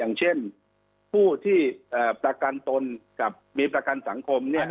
อย่างเช่นผู้ที่ประกันตนกับมีประกันสังคม